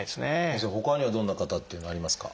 先生ほかにはどんな方っていうのはありますか？